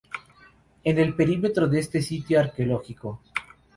En el perímetro de este sitio arqueológico.